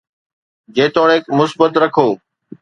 جيتوڻيڪ مثبت رکو